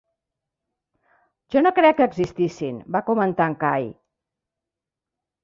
"Jo no crec que existissin", va comentar en Kay.